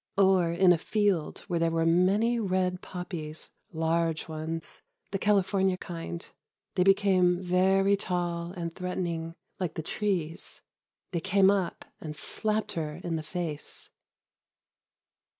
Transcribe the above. Or in a field, where there were many red poppies ... large ones ... the California kind. They became very tall, and threatening, like the trees.... They came up and slapped her in the face.